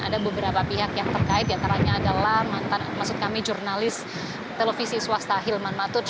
ada beberapa pihak yang terkait diantaranya adalah jurnalis televisi swasta hilman matuj